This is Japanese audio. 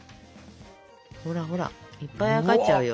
ほらほらいっぱいあやかっちゃうよ。